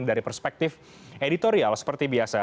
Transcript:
dari perspektif editorial seperti biasa